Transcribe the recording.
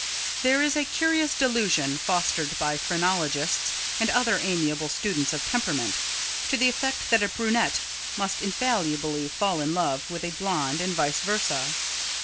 There is a curious delusion, fostered by phrenologists and other amiable students of "temperament," to the effect that a brunette must infallibly fall in love with a blonde and vice versa.